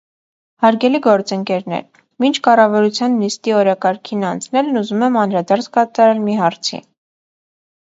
Հարգելի գործընկերներ, մինչ կառավարության նիստի օրակարգին անցնելն ուզում եմ անդրադարձ կատարել մի հարցի: